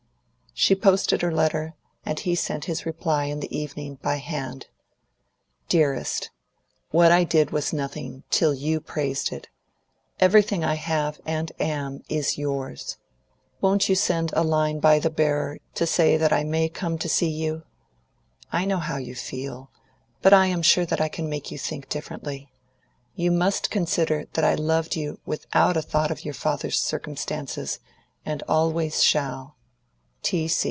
She posted her letter, and he sent his reply in the evening, by hand: DEAREST, What I did was nothing, till you praised it. Everything I have and am is yours. Won't you send a line by the bearer, to say that I may come to see you? I know how you feel; but I am sure that I can make you think differently. You must consider that I loved you without a thought of your father's circumstances, and always shall.